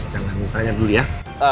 jangan nanya dulu ya